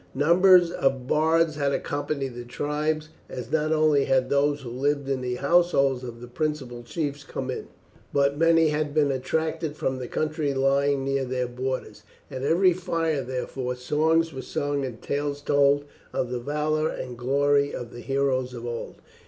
Numbers of bards had accompanied the tribes, as not only had those who lived in the households of the principal chiefs come in, but many had been attracted from the country lying near their borders. At every fire, therefore, songs were sung and tales told of the valour and glory of the heroes of old.